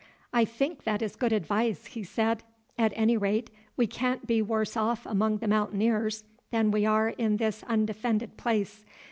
"I think that is good advice," he said. "At any rate, we can't be worse off among the Mountaineers than we are in this undefended place.